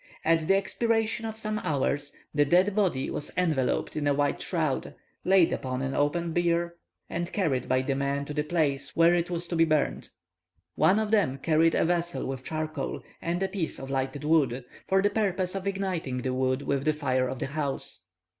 At the expiration of some hours, the dead body was enveloped in a white shroud, laid upon an open bier, and carried by the men to the place where it was to be burnt. One of them carried a vessel with charcoal and a piece of lighted wood, for the purpose of igniting the wood with the fire of the house.